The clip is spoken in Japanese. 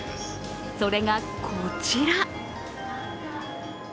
それが、こちら。